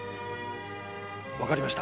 わかりました。